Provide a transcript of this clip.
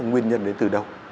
nguyên nhân đến từ đâu